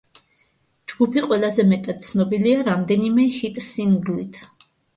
ჯგუფი ყველაზე მეტად ცნობილია რამდენიმე ჰიტ-სინგლით.